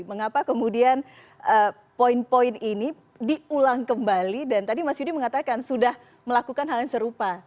mengapa kemudian poin poin ini diulang kembali dan tadi mas yudi mengatakan sudah melakukan hal yang serupa